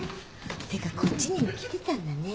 ってかこっちにも来てたんだね。